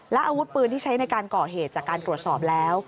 และอาวุธปืนที่ใช้ในการก่อเหตุจากการตรวจสอบแล้ว